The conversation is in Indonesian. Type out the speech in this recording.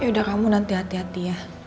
yaudah kamu nanti hati hati ya